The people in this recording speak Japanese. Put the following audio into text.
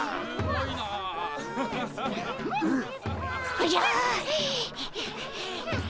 おじゃ！